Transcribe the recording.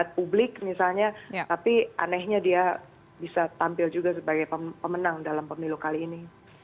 publik misalnya tapi anehnya dia bisa tampil juga sebagai pemenang dalam pemilu kali ini